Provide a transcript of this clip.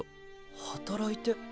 働いて？